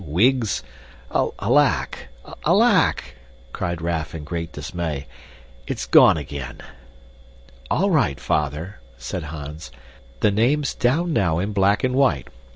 Wiggs! Alack! Alack!" added Raff in great dismay, "it's gone again!" "All right, Father," said Hans, "the name's down now in black and white.